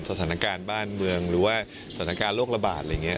สถานการณ์บ้านเมืองหรือว่าสถานการณ์โรคระบาดอะไรอย่างนี้